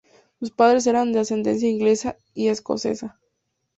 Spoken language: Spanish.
Sus padres eran de ascendencia inglesa y escocesa.